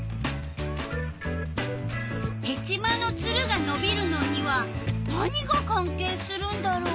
ヘチマのツルがのびるのには何が関係するんだろう？